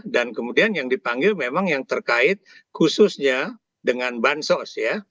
dan kemudian yang dipanggil memang yang terkait khususnya dengan bansos ya